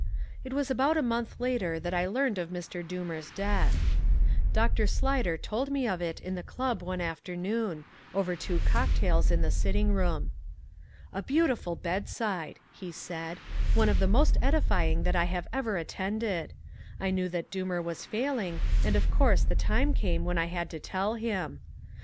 It was about a month later that I learned of Mr. Doomer's death. Dr. Slyder told me of it in the club one afternoon, over two cocktails in the sitting room. "A beautiful bedside," he said, "one of the most edifying that I have ever attended. I knew that Doomer was failing and of course the time came when I had to tell him.